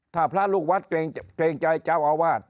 ถ้าพระลูกวัดเกรงใจเจ้าอาวาส